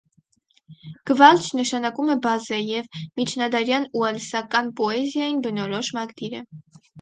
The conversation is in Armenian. «Գվալչ» նշանակում է «բազե» և միջնադարյան ուելսական պոեզիային բնորոշ մակդիր է։